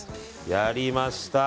やりました。